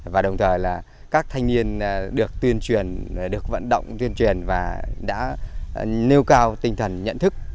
và đồng thời là các thanh niên được tuyên truyền được vận động tuyên truyền và đã nêu cao tinh thần nhận thức